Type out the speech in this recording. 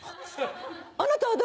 あなたは誰？